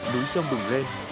núi sông bừng lên